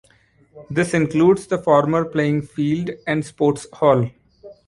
This includes the former playing field and sports hall.